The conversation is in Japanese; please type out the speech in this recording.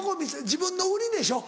自分の売りでしょ